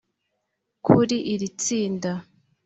Kuri iri tsinda